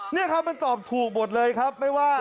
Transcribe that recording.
เนี่ยคะมันตอบถูกหมดเลยครับ